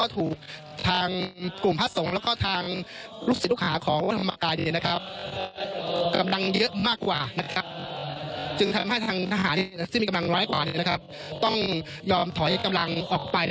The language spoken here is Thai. ต้องย่ำถอยกำลังออกไป